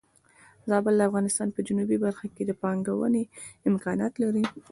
زابل د افغانستان په جنوبی برخه کې د پانګونې امکانات لري.